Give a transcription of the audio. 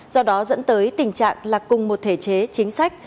do đó dẫn tới tình trạng là cùng một thể chế chính sách